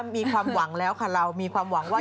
มีความหวังแล้วค่ะเรามีความหวังว่า